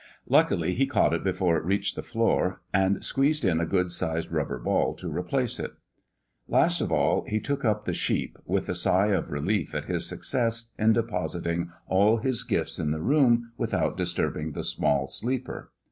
Luckily he caught it before it reached the floor, and squeezed in a good sized rubber ball to replace it. Last of all he took up the sheep, with a sigh of relief at his success in depositing all his gifts in the room without disturbing the small sleeper.